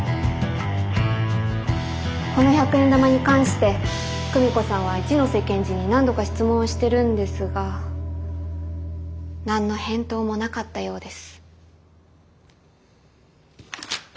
この百円玉に関して久美子さんは一ノ瀬検事に何度か質問をしてるんですが何の返答もなかったようです。